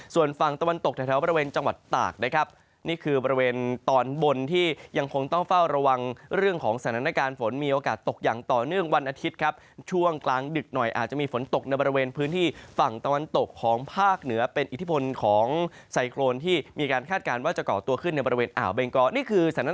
ส่วนฝั่งตะวันตกแถวบริเวณจังหวัดตากนะครับนี่คือบริเวณตอนบนที่ยังคงต้องเฝ้าระวังเรื่องของสถานการณ์ฝนมีโอกาสตกอย่างต่อเนื่องวันอาทิตย์ครับช่วงกลางดึกหน่อยอาจจะมีฝนตกในบริเวณพื้นที่ฝั่งตะวันตกของภาคเหนือเป็นอิทธิพลของไซโครนที่มีการคาดการณ์ว่าจะเกาะตัวขึ้นในบริเวณอ่าวเบงกอนี่คือสถาน